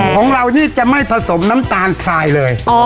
ของเรานี่จะไม่ผสมน้ำตาลทรายเลย